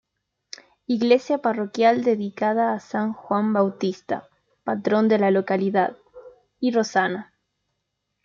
Iglesia parroquial dedicada a San Juan Bautista, patrón de la localidad, y Rosana.